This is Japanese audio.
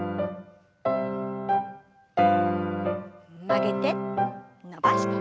曲げて伸ばして。